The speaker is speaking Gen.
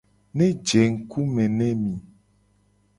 Ne je ngku me ne mi.